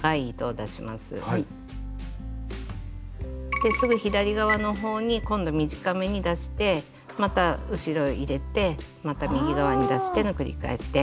ですぐ左側の方に今度短めに出してまた後ろ入れてまた右側に出しての繰り返しで。